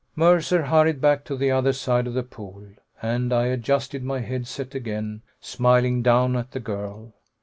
Mercer hurried back to the other side of the pool, and I adjusted my head set again, smiling down at the girl.